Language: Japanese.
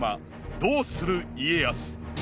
「どうする家康」。